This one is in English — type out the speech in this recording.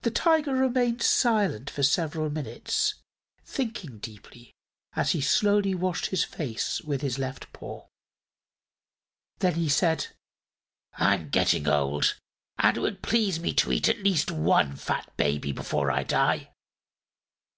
The Tiger remained silent for several minutes, thinking deeply as he slowly washed his face with his left paw. Then he said: "I'm getting old, and it would please me to eat at least one fat baby before I die.